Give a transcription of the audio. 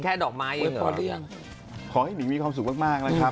แค่ดอกไม้อยู่ขอให้ดิมีความสุขมากนะครับ